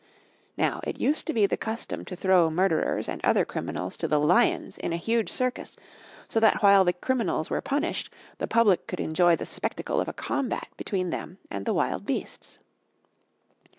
Now it used to be the custom to throw murderers and other criminals to the lions in a huge circus, so that while the criminals were punished the public could enjoy the spectacle of a combat between them and the wild beasts.